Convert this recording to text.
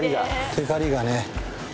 てかりがね。